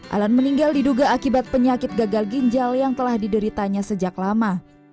alan meninggal diduga akibat penyakit gagal ginjal yang telah dideritanya sejak lama